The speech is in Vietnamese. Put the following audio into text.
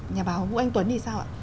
nhà báo vũ anh tuấn thì sao ạ